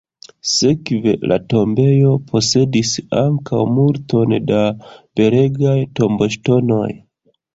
Sekve la tombejo posedis ankaŭ multon da belegaj tomboŝtonoj.